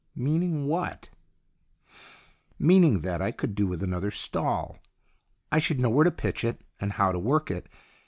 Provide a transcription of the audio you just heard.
" Meaning what ?"" Meaning that I could do with another stall. I should know where to pitch it, and how to work it.